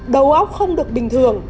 đầu óc không được bình thường